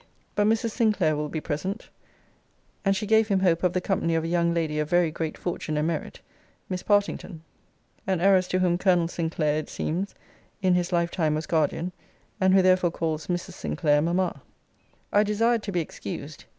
But Mrs. Sinclair will be present, and she gave him hope of the company of a young lady of very great fortune and merit (Miss Partington), an heiress to whom Colonel Sinclair, it seems, in his lifetime was guardian, and who therefore calls Mrs. Sinclair Mamma. I desired to be excused.